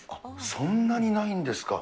そんなにないんですか。